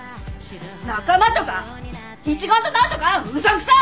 「仲間」とか「一丸となる」とかうさんくさい！